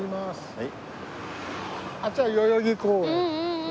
はい。